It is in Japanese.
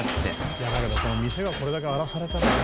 いやだけど店がこれだけ荒らされたらな。